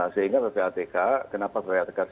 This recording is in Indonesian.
sehingga ppatk kenapa ppatk